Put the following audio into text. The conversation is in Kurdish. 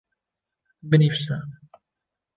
binivîse